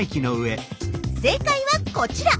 正解はこちら。